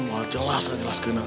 mau jelas kan jelas kena